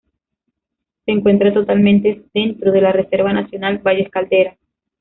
Se encuentra totalmente dentro de la Reserva nacional Valles Caldera.